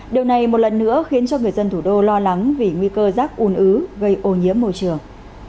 điều này một lần nữa khiến cho người dân thủ đô lo lắng vì nguy cơ rác un ứ gây ô nhiễm môi trường